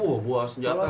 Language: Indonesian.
wah buah senjata